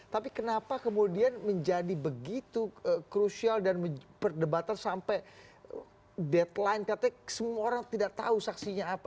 tapi kenapa kemudian menjadi begitu krusial dan perdebatan sampai deadline katanya semua orang tidak tahu saksinya apa